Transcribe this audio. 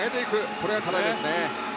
これが課題ですね。